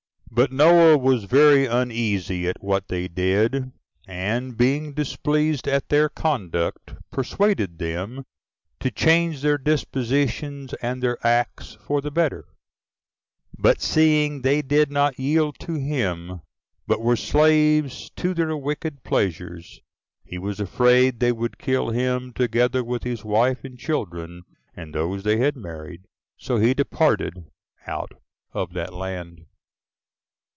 But Noah was very uneasy at what they did; and being displeased at their conduct, persuaded them to change their dispositions and their acts for the better: but seeing they did not yield to him, but were slaves to their wicked pleasures, he was afraid they would kill him, together with his wife and children, and those they had married; so he departed out of that land.